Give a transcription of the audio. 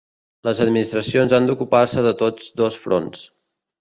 Les administracions han d’ocupar-se de tots dos fronts.